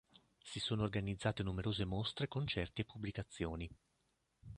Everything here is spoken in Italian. Si sono organizzate numerose mostre, concerti e pubblicazioni.